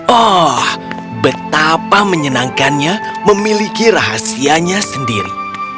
oh betapa menyenangkannya memiliki rahasianya sendiri